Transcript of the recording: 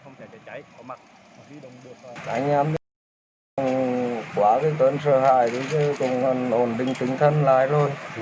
nạn nhân quá cái tên sợ hãi chúng tôi cũng còn ổn định tinh thần lại rồi